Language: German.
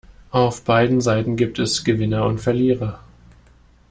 Auf beiden Seiten gibt es Gewinner und Verlierer.